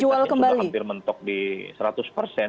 dimana popularitasnya sudah hampir mentok di seratus persen